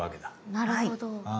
なるほど。